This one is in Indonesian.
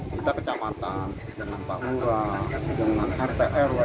kita kecamatan dengan pak lurah dengan rt rw